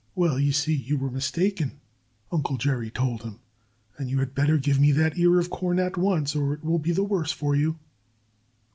"Well, you see you were mistaken," Uncle Jerry told him. "And you had better give me that ear of corn at once, or it will be the worse for you."